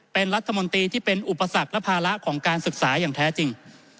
เป็นรัฐมนตรีที่เป็นอุปสรรคและภาระของการศึกษาอย่างแท้จริง